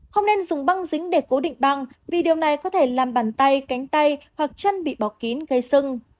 không nên dùng băng dính để cố định băng vì điều này có thể làm bàn tay cánh tay hoặc chân bị bọc kín gây sưng